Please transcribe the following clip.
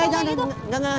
eh jangan jangan